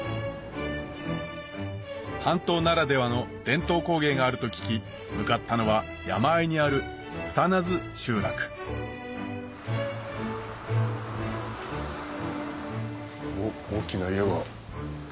半島ならではの伝統工芸があると聞き向かったのは山あいにある二名津集落おっ大きな家が。